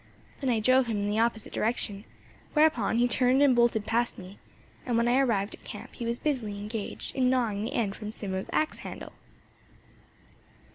Then I drove him in the opposite direction, whereupon he turned and bolted past me; and when I arrived at camp he was busily engaged in gnawing the end from Simmo's ax handle.